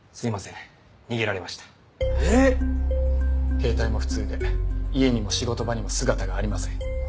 携帯も不通で家にも仕事場にも姿がありません。